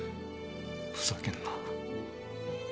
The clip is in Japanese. ふざけんな。